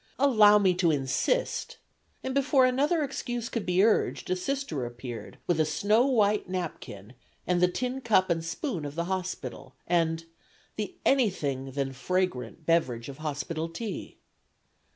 "Allow me to insist!" and before another excuse could be urged a Sister appeared with a snow white napkin and the tincup and spoon of the hospital and the anything than fragrant beverage of hospital tea.